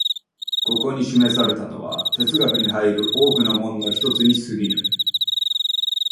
ここに示されたのは哲学に入る多くの門の一つに過ぎぬ。